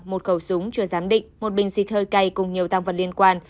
một khẩu súng chưa giám định một bình xịt hơi cay cùng nhiều tăng vật liên quan